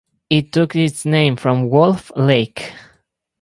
It took its name from Wolf Lake.